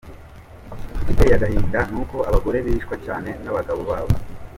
Igiteye agahinda, nuko abagore bicwa cyane n’abagabo babo.